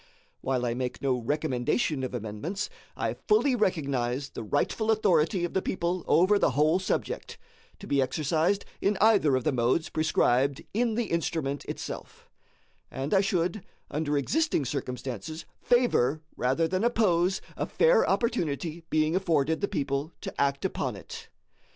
While I make no recommendation of amendments, I fully recognize the rightful authority of the people over the whole subject, to be exercised in either of the modes prescribed in the instrument itself; and I should, under existing circumstances, favor rather than oppose a fair opportunity being afforded the people to act upon it.